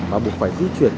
và buộc phải di chuyển